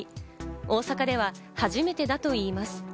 大阪では初めてだといいます。